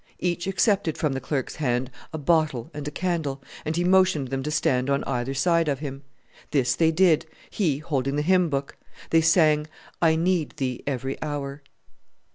Each accepted from the clerk's hand a bottle and a candle, and he motioned them to stand on either side of him. This they did, he holding the hymn book. They sang, "I need Thee every hour."